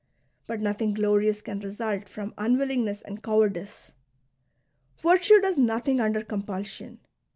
But nothing glorious can result fi'om unwillingness and cowardice ; virtue does nothing under compulsion.